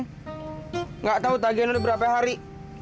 enggak tahu tagi ada berapa hari